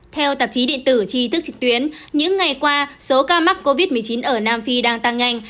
theo tạp chí điện tử tri thức trực tuyến những ngày qua số ca mắc covid một mươi chín ở nam phi đang tăng nhanh